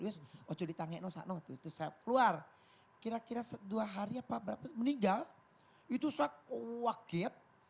lalu saya keluar kira kira dua hari apa berapa meninggal itu saya kaget